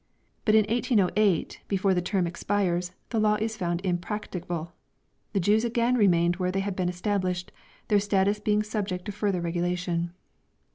But in 1808 before the term expires the law is found impracticable. The Jews again remained where they had been established, their status being subject to further regulation.